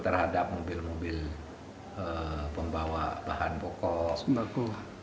terhadap mobil mobil pembawa bahan pokok sembako